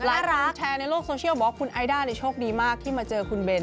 น่ารักแชร์ในโลกโซเชียลบอกว่าคุณไอด้าโชคดีมากที่มาเจอคุณเบน